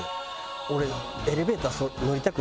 俺。